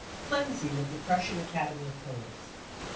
Cleansing " of the Prussian Academy of Poets.